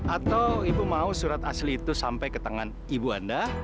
atau ibu mau surat asli itu sampai ke tangan ibu anda